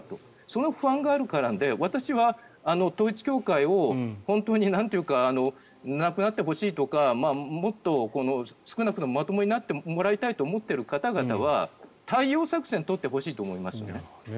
その不安があるからなので私は統一教会を本当になくなってほしいとかもっと少なくともまともになってもらいたいと思っている方々は対応作戦を取ってほしいと思いますね。